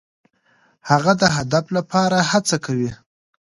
هغه د هدف لپاره هڅه کوي.